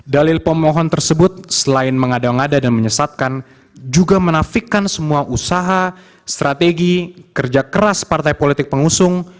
dalil pemohon tersebut selain mengada ngada dan menyesatkan juga menafikan semua usaha strategi kerja keras partai politik pengusung